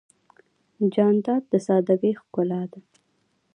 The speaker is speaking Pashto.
جانداد د سادګۍ ښکلا ده.